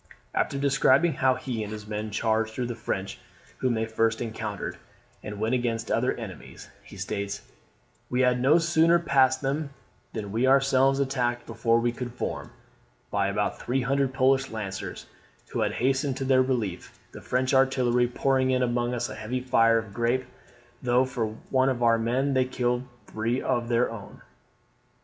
After describing how he and his men charged through the French whom they first encountered, and went against other enemies, he states: "We had no sooner passed them than we were ourselves attacked before we could form, by about 300 Polish lancers, who had hastened to their relief; the French artillery pouring in among us a heavy fire of grape, though for one of our men they killed three of their own.